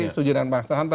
setuju dengan pak santah